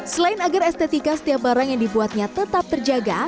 selain agar estetika setiap barang yang dibuatnya tetap terjaga